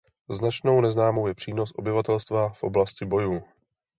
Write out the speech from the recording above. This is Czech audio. Značnou neznámou je přínos obyvatelstva v oblasti bojů.